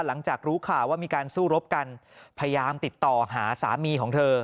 หลังจากรู้ข่าวว่ามีการสู้รบกันพยายามติดต่อหาสามีของเธอ